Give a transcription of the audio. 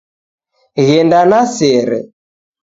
Ghenda na sere